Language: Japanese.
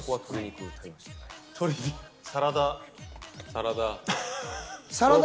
サラダ。